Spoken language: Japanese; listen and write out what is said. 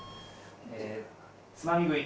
つまみ食い。